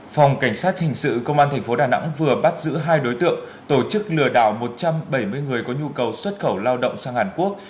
phòng cảnh sát hình sự công an tp đà nẵng vừa bắt giữ hai đối tượng tổ chức lừa đảo một trăm bảy mươi người có nhu cầu xuất khẩu lao động sang hàn quốc